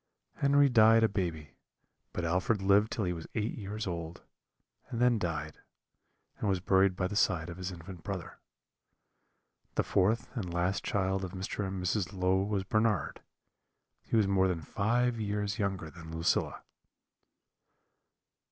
Henry died a baby, but Alfred lived till he was eight years old, and then died, and was buried by the side of his infant brother. The fourth and last child of Mr. and Mrs. Low was Bernard; he was more than five years younger than Lucilla.